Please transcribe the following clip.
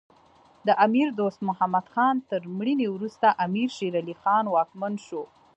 د امیر دوست محمد خان تر مړینې وروسته امیر شیر علی خان واکمن شو.